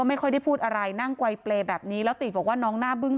ไม่ค่อยได้พูดอะไรนั่งกว่ายเปลแบบนี้แล้วตีศบอกว่าน้องน่าเบื้อง